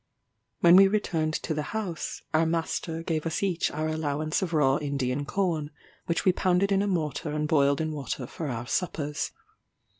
When we returned to the house, our master gave us each our allowance of raw Indian corn, which we pounded in a mortar and boiled in water for our suppers.